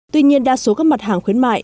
tuy nhiên đa số các mặt hàng khuyến mại